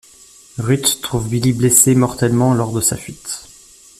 Ruth trouve Billy blessé mortellement lors de sa fuite.